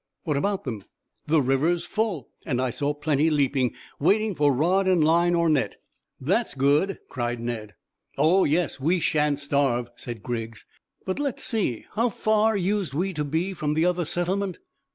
"What about them?" "The river's full, and I saw plenty leaping, waiting for rod and line or net." "That's good," cried Ned. "Oh yes; we shan't starve," said Griggs. "But let's see, how far used we to be from the other settlement?"